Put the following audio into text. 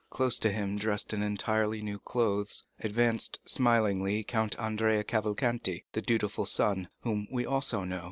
Close to him, dressed in entirely new clothes, advanced smilingly Count Andrea Cavalcanti, the dutiful son, whom we also know.